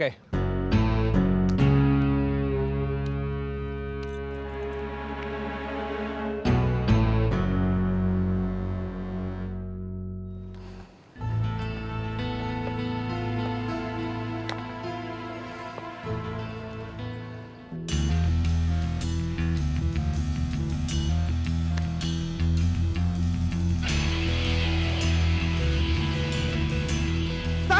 perhitungan atas haladi